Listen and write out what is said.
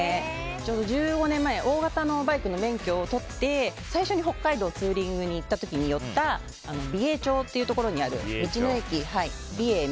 ちょうど１５年前大型のバイクの免許を取って最初に北海道にツーリングに行った時に寄った美瑛町というところにある道の駅びえ